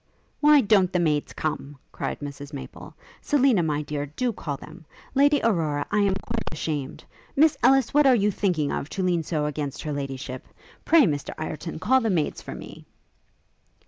'Why don't the maids come?' cried Mrs Maple. 'Selina, my dear, do call them. Lady Aurora, I am quite ashamed. Miss Ellis, what are you thinking of, to lean so against Her Ladyship? Pray, Mr Ireton, call the maids for me.'